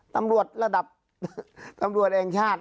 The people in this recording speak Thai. ตำรวจระดับตำรวจแห่งชาติ